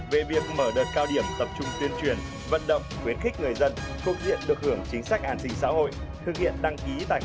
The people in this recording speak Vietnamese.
về việc mở đợt cao điểm tập trung tiến truyền vận động khuyến khích người dân